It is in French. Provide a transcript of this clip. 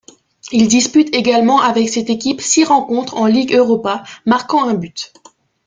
Il dispute également avec cette équipe six rencontres en Ligue Europa, marquant un but.